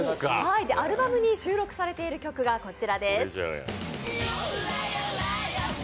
アルバムに収録されている曲が、こちらです。